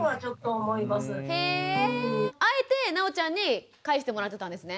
あえてなおちゃんに返してもらってたんですね。